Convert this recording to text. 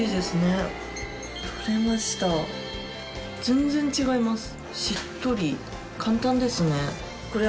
全然違います。